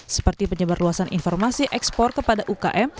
seperti penyebar luasan informasi ekspor kepada ukm